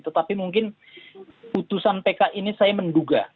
tetapi mungkin putusan pk ini saya menduga